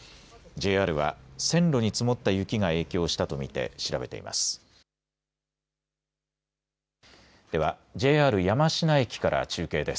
ＪＲは線路に積もった雪が影響したと見て調べています。